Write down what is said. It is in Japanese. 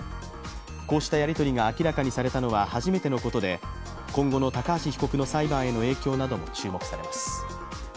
こうしたやり取りが明らかにされたのは初めてのことで、今後の高橋被告の裁判への影響なども注目されます。